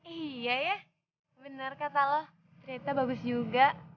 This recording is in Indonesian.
iya ya benar kata lo cerita bagus juga